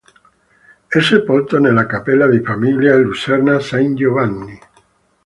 È sepolto nella Cappella di Famiglia a Luserna San Giovanni.